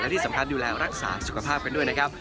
ที่สำคัญดูแลรักษาสุขภาพกันด้วยนะครับ